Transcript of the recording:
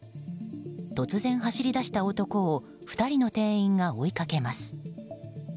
突然、走り出した男を２人の店員が追いかけます。